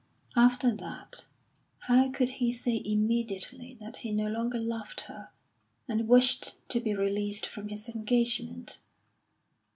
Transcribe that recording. After that, how could he say immediately that he no longer loved her, and wished to be released from his engagement?